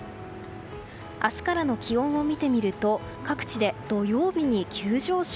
明日からの気温を見てみると各地で土曜日に急上昇。